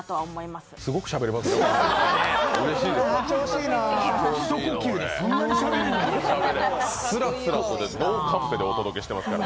すごくしゃべりますね。